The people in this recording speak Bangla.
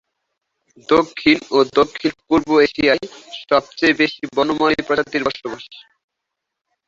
দক্ষিণ ও দক্ষিণ-পূর্ব এশিয়ায় সবচেয়ে বেশি বনমালী প্রজাতির বসবাস।